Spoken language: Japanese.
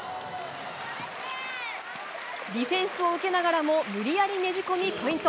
ディフェンスを受けながらも無理やりねじ込みポイント！